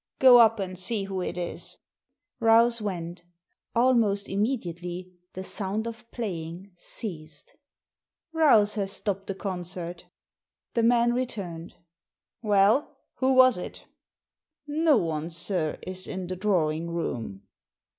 Go up, and see who it is." Rouse went Almost immediately the sound of playing ceased. Digitized by VjOOQIC THE VIOLIN 97 " Rouse has stopped the concert" The man returned. "Well, who was it?" No one, sir, is in the drawing room."